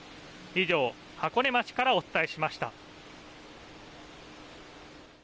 以上、箱根町からお伝えしました。